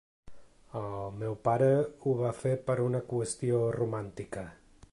El meu pare ho va fer per una qüestió romàntica.